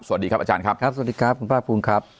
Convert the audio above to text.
สวัสดีครับอาจารย์ครับ